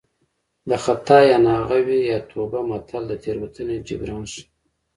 د خطا یا ناغه وي یا توبه متل د تېروتنې جبران ښيي